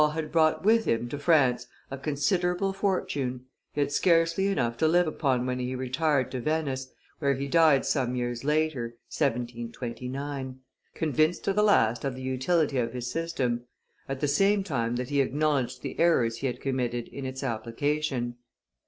Law had brought with him to France a considerable fortune; he had scarcely enough to live upon when he retired to Venice, where he died some years later (1729), convinced to the last of the utility of his system, at the same time that he acknowledged the errors he had committed in its application.